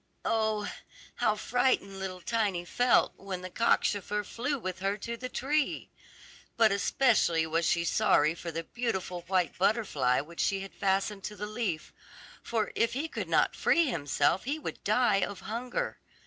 Oh, how frightened little Tiny felt when the cockchafer flew with her to the tree! But especially was she sorry for the beautiful white butterfly which she had fastened to the leaf, for if he could not free himself he would die of hunger.